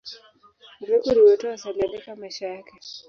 Gregori wa Tours aliandika maisha yake.